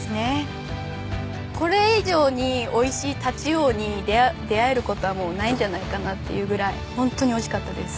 これ以上においしい太刀魚に出会える事はもうないんじゃないかなっていうぐらいホントにおいしかったです。